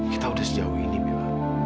kita udah sejauh ini mila